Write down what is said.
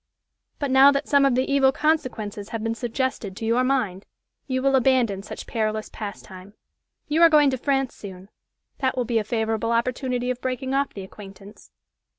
but, now that some of the evil consequences have been suggested to your mind, you will abandon such perilous pastime. You are going to France soon that will be a favorable opportunity of breaking off the acquaintance."